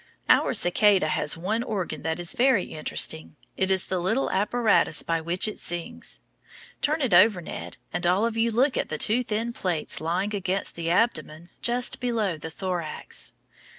Our cicada has one organ that is very interesting; it is the little apparatus by which it sings. Turn it over, Ned, and all of you look at the two thin plates lying against the abdomen just below the thorax.